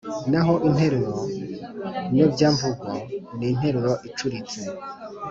. Naho interuro nyobyamvugo ni interuro icuritse